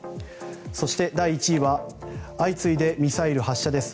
そして、第１位は相次いでミサイル発射です。